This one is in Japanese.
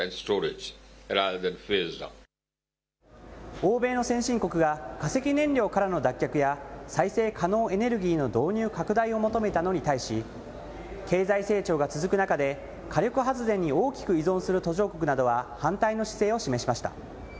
欧米の先進国が、化石燃料からの脱却や、再生可能エネルギーの導入拡大を求めたのに対し、経済成長が続く中で、火力発電に大きく依存する途上国などは、反対の姿勢を示しました。